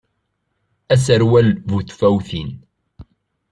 Aserwal bu tfawtin.